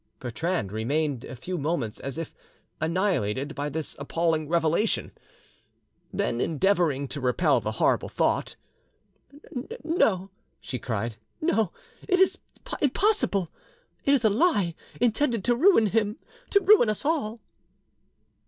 Bertrande remained a few moments as if annihilated by this appalling revelation; then, endeavoring to repel the horrible thought— "No," she cried, "no, it is impossible! It is a lie intended to ruin him to ruin us all."